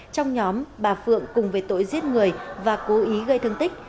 trong nhóm bà phượng cùng về tội giết người và cố ý gây thương tích